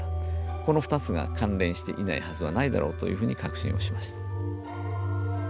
この２つが関連していないはずはないだろうというふうに確信をしました。